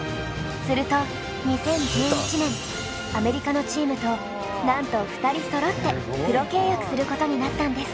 すると２０１１年アメリカのチームとなんと２人そろってプロ契約することになったんです。